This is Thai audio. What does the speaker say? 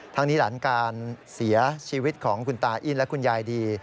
ทั้งนี้หลังการเสียชีวิตของคุณตาอิ้นและคุณยายดี